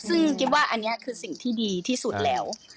ซึ่งกิ๊บว่าอันนี้คือสิ่งที่ดีที่สุดแล้ว